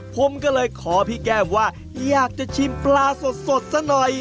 ผมก็เลยขอพี่แก้มว่าอยากจะชิมปลาสดซะหน่อย